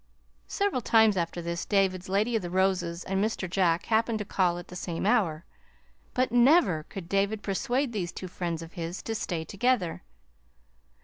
Several times after this David's Lady of the Roses and Mr. Jack happened to call at the same hour; but never could David persuade these two friends of his to stay together.